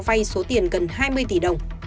vai số tiền gần hai mươi tỷ đồng